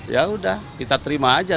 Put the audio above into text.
ya sudah kita terima saja